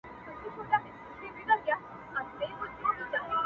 هره شپه چي تېرېده ته مي لیدلې!.